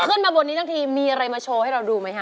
ขึ้นมาบนนี้ทั้งทีมีอะไรมาโชว์ให้เราดูไหมฮะ